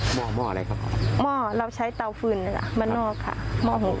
หม้อหม้ออะไรครับหม้อเราใช้เตาฟืนนะคะบ้านนอกค่ะหม้อหก